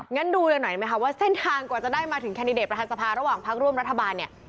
งั้นดูกันหน่อยไหมคะว่าเส้นทางกว่าจะได้มาถึงแคนดิเดตประธานสภาระหว่างพักร่วมรัฐบาลเนี่ย